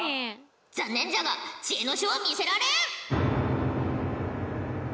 残念じゃが知恵の書は見せられん！